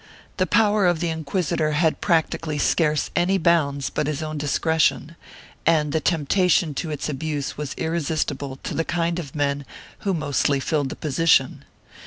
The power of the inquisitor had practically scarce any bounds but his own discretion, and the temptation to its abuse was irre sistible to the kind of men who mostly filled the position.